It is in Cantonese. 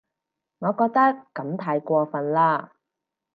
我覺得噉太過份喇